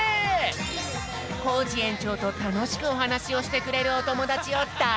コージえんちょうとたのしくおはなしをしてくれるおともだちをだ